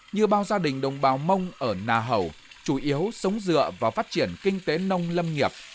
như bao gia đình đồng bào mông ở nà hầu chủ yếu sống dựa vào phát triển kinh tế nông lâm nghiệp